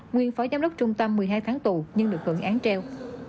nguyên phó giám đốc trung tâm một mươi hai tháng tù nhưng được hưởng án treo